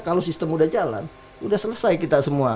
kalau sistem sudah jalan sudah selesai kita semua